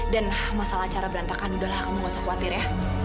dan masalah acara berantakan udahlah kamu nggak usah khawatir ya